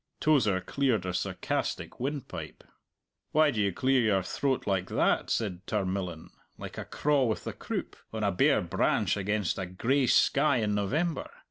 Tozer cleared a sarcastic windpipe. "Why do you clear your throat like that?" said Tarmillan "like a craw with the croup, on a bare branch against a gray sky in November!